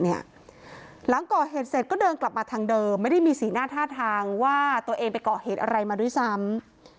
หลังก่อเหตุเสร็จก็เดินกลับมาทางเดิมไม่ได้มีสีหน้าท่าทางว่าตัวเองไปก่อเหตุอะไรมาด้วยซ้ำ